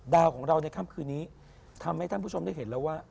ดาวของเราในค่ำคืนนี้ทำให้ท่านผู้ชมได้เห็นแล้วว่า